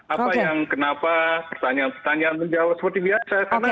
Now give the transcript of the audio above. apa yang kenapa pertanyaan pertanyaan menjawab seperti biasa